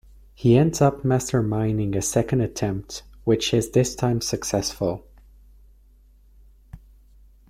He ends up masterminding a second attempt, which is this time successful.